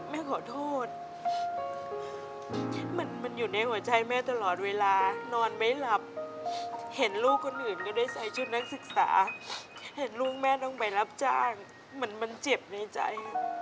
แม่ขอโทษที่มันอยู่ในหัวใจแม่ตลอดเวลานอนไม่หลับเห็นลูกคนอื่นก็ได้ใส่ชุดนักศึกษาเห็นลูกแม่ต้องไปรับจ้างเหมือนมันเจ็บในใจ